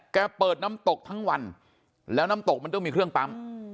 เปิดน้ำตกทั้งวันแล้วน้ำตกมันต้องมีเครื่องปั๊ม